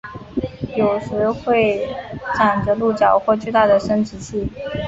有时会长着鹿角或巨大的生殖器。